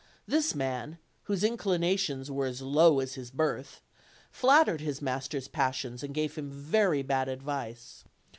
This man, whose inclinations were as low as his birth, flattered his master's passions and gave him very bad advice.